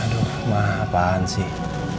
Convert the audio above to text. aduh mama apaan sih